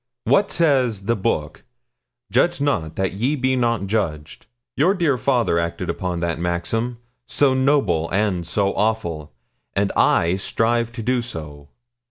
What says the Book? "Judge not, that ye be not judged." Your dear father acted upon that maxim so noble and so awful and I strive to do so.